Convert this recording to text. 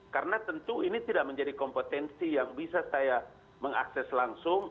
karena tentu ini tidak menjadi kompetensi yang bisa saya mengakses langsung